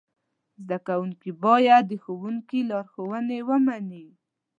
زده کوونکي باید د ښوونکي لارښوونې ومني.